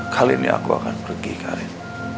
kali ini aku akan pergi karen